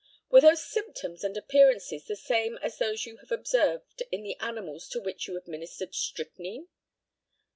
Were those symptoms and appearances the same as those you have observed in the animals to which you administered strychnine?